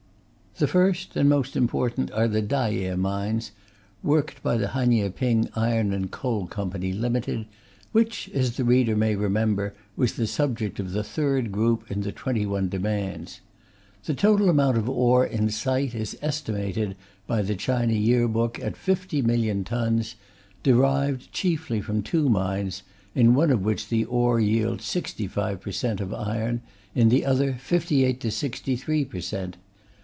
The first and most important are the Tayeh mines, worked by the Hanyehping Iron and Coal Co., Ltd., which, as the reader may remember, was the subject of the third group in the Twenty one Demands. The total amount of ore in sight is estimated by the China Year Book at 50,000,000 tons, derived chiefly from two mines, in one of which the ore yields 65 per cent. of iron, in the other 58 to 63 per cent.